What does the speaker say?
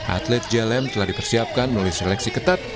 atlet jelm telah dipersiapkan melalui seleksi ketat